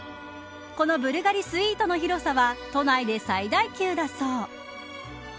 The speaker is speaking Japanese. このブルガリスイートの広さは都内で最大級だそう。